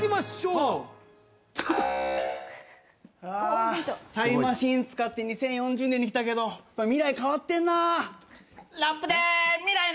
ああタイムマシン使って２０４０年に来たけど未来変わってんな！